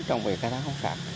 trong việc khai thác khoáng sản